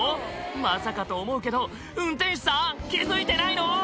まさかと思うけど運転手さん気付いてないの？